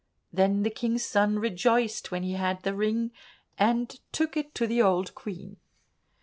Then the King's son rejoiced when he had the ring, and took it to the old Queen.